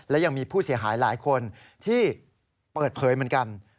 และยังมีผู้เสียหายหลายคนที่เปิดเผยเหมือนกัน